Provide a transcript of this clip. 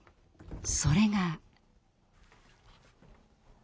それが。